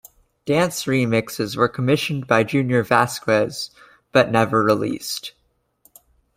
Dance remixes were commissioned by Junior Vasquez but never released.